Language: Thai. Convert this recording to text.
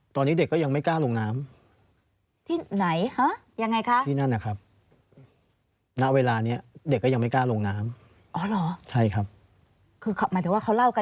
ตอนนี้เด็กก็ยังไม่กล้าลงน้ำ